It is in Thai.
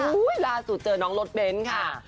เวลาสูดเจอน้องรดเบนส์ค่ะ